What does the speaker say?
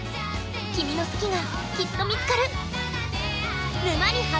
君の好きがきっと見つかる！